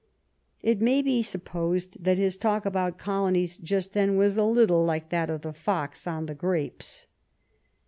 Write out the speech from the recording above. It may be supposed that his talk about colonies just then was a little like that of the fox on the grapes.